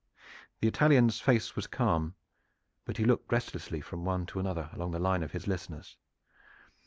The Italian's face was calm; but he looked restlessly from one to another along the line of his listeners.